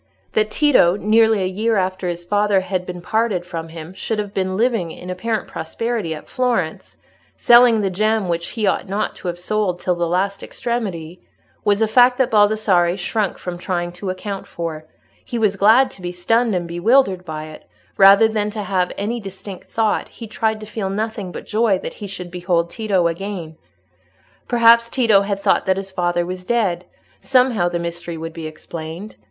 That Tito nearly a year after his father had been parted from him should have been living in apparent prosperity at Florence, selling the gem which he ought not to have sold till the last extremity, was a fact that Baldassarre shrank from trying to account for: he was glad to be stunned and bewildered by it, rather than to have any distinct thought; he tried to feel nothing but joy that he should behold Tito again. Perhaps Tito had thought that his father was dead; somehow the mystery would be explained.